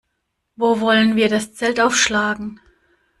Wo wollen wir das Zelt aufschlagen?